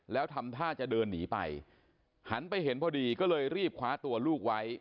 แล้วทำท่าจะเดินหนีไปหันไปเห็นพอดีก็เลยรีบคว้าตัวลูกไว้